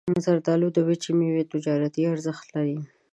زردالو د وچې میوې تجارتي ارزښت لري.